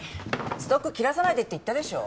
ストック切らさないでって言ったでしょ。